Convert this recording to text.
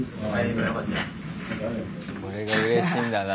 これがうれしいんだな。